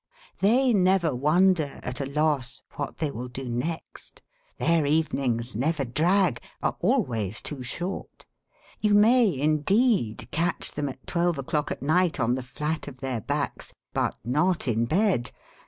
They never wonder, at a loss, what they will do next. Their evenings never drag are always too short. You may, indeed, catch them at twelve o'clock at night on the flat of their backs; but not in bed!